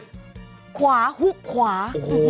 ขวาหุบขวา